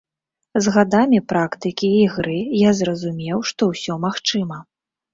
З гадамі практыкі і ігры я зразумеў, што ўсё магчыма.